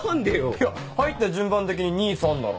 いや入った順番的に２・３だろ。